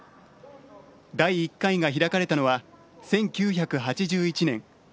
第１回が開かれたのは１９８１年。